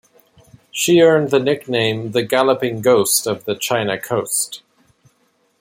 She earned the nickname "the Galloping Ghost of the China Coast".